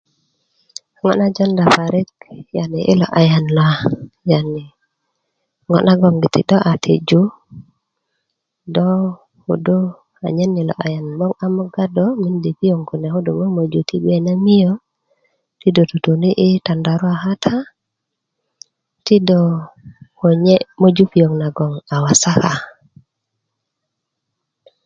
ŋo na jonda parik yani ilo ayan na yani ŋo nagongiti do a tiju do kkodo anyen yi ayan a moga do mindi piöŋ kune kodo ti mimiyo do totoni i tandarua kata ti do konye moju piöŋ nagon a wasaka